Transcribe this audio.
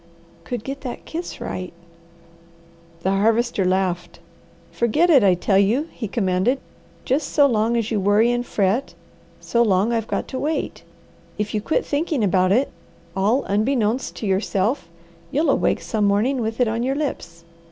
"Could get that kiss right " The Harvester laughed. "Forget it, I tell you!" he commanded. "Just so long as you worry and fret, so long I've got to wait. If you quit thinking about it, all 'unbeknownst' to yourself you'll awake some morning with it on your lips.